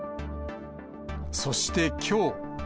そしてきょう。